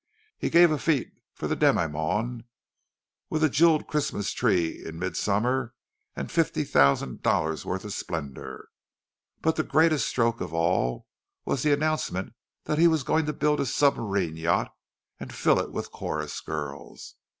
He gave a fête to the demi monde, with a jewelled Christmas tree in midsummer, and fifty thousand dollars' worth of splendour. But the greatest stroke of all was the announcement that he was going to build a submarine yacht and fill it with chorus girls!